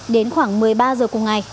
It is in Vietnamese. đến khoảng một mươi ba h cùng ngày